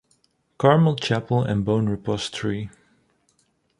Carmel Chapel and bone repository.